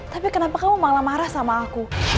tapi kenapa kamu malah marah sama aku